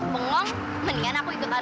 kamu yang kecil